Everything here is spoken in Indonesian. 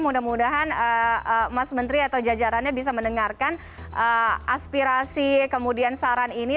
mudah mudahan mas menteri atau jajarannya bisa mendengarkan aspirasi kemudian saran ini